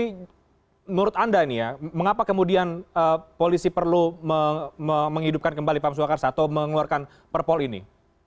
menurut anda ini ya mengapa kemudian polisi perlu menghidupkan kembali pams waka karsa atau mengeluarkan perpol ini